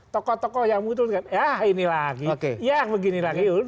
tokoh tokoh yang menguntungkan ya ini lagi ya begini lagi